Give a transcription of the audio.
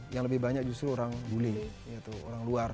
yang lebih banyak justru orang bule orang luar